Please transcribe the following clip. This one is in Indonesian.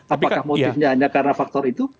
apakah motifnya hanya karena faktor itu